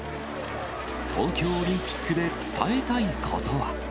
東京オリンピックで伝えたいことは。